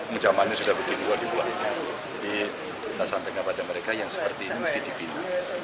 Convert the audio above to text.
menjamannya sudah berkini jadi kita sampai kepada mereka yang seperti ini mesti dibina